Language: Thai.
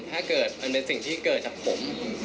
ถ้าเกิดมันเป็นสิ่งที่เกิดจากผม